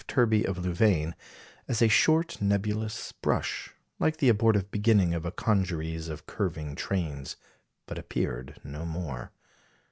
Terby of Louvain, as a short nebulous brush, like the abortive beginning of a congeries of curving trains; but appeared no more.